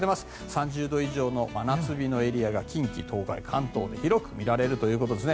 ３０度以上の真夏日のエリアが近畿・東海、関東と広く見られるということです。